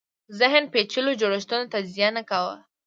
ذهن پېچلو جوړښتونو تجزیه نه کاوه